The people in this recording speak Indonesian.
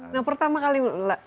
nah pertama kali